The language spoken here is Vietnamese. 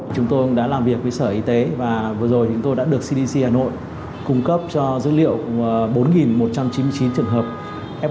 chúng tôi đã làm việc với sở y tế và vừa rồi chúng tôi đã được cdc hà nội cung cấp cho dữ liệu bốn một trăm chín mươi chín trường hợp